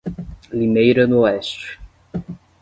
Limeira do Oeste